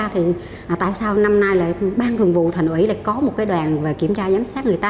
thì tại sao năm nay là ban thường vụ thành ủy lại có một cái đoàn kiểm tra giám sát người ta